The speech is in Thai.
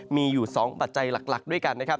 มีอยู่๒ปัจจัยหลักด้วยกันนะครับ